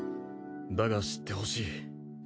だが知ってほしい。